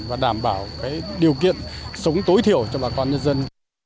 và đảm bảo điều kiện sống tối thiểu cho bà con nhân dân